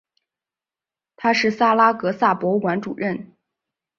他是萨拉戈萨博物馆主任。